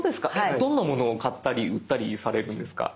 どんなものを買ったり売ったりされるんですか？